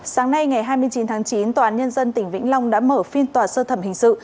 sáng nay ngày hai mươi chín tháng chín tòa án nhân dân tỉnh vĩnh long đã mở phiên tòa sơ thẩm hình sự